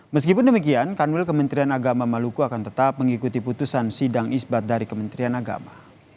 meskipun demikian kanwil kementerian agama maluku akan tetap mengikuti putusan sidang isbat dari kementerian agama